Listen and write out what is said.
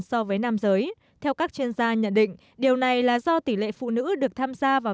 so với nam giới theo các chuyên gia nhận định điều này là do tỷ lệ phụ nữ được tham gia vào